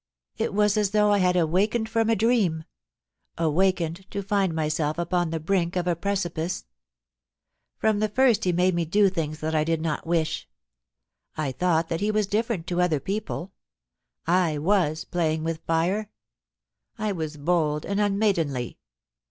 *It was as though I had awakened from a dream aw^ened to find myself upon the brink of a precipice From the first he made me do things that I did not wish. I thought that he was difierent to other people ; I was playing with fire ; I was bold and unmaidenly.